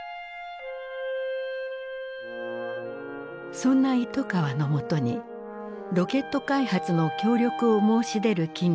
そんな糸川の元にロケット開発の協力を申し出る企業があった。